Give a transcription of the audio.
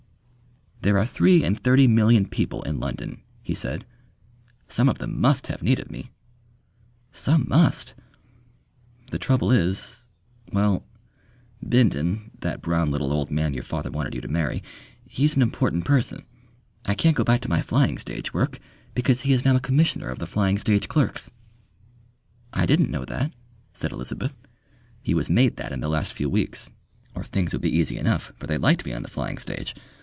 "There are three and thirty million people in London," he said: "some of them must have need of me." "Some must." "The trouble is ... Well Bindon, that brown little old man your father wanted you to marry. He's an important person.... I can't go back to my flying stage work, because he is now a Commissioner of the Flying Stage Clerks." "I didn't know that," said Elizabeth. "He was made that in the last few weeks ... or things would be easy enough, for they liked me on the flying stage.